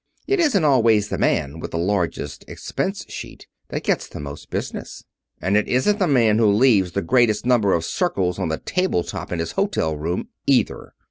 It isn't always the man with the largest expense sheet that gets the most business. And it isn't the man who leaves the greatest number of circles on the table top in his hotel room, either."